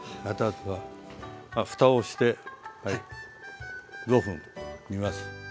あっふたをして５分煮ます。